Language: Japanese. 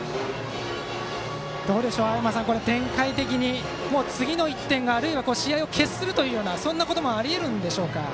青山さん、展開的に次の１点があるいは試合を決するというかそんなこともあり得るんでしょうか。